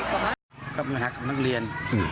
มีพฤติกรรมรุนแรงกับนักเรียน